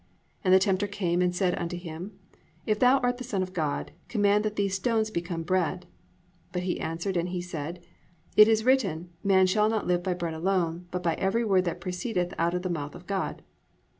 (3) And the tempter came and said unto him, If thou art the son of God, command that these stones become bread. (4) But he answered and said, It is written, man shall not live by bread alone, but by every word that proceedeth out of the mouth of God.